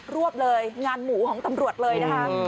รวบเลยงานหมูของตำรวจเลยนะคะ